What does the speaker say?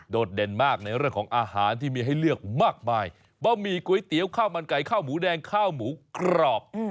เด่นมากในเรื่องของอาหารที่มีให้เลือกมากมายบะหมี่ก๋วยเตี๋ยวข้าวมันไก่ข้าวหมูแดงข้าวหมูกรอบ